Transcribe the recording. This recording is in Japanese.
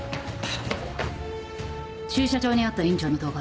駐車場にあった院長の動画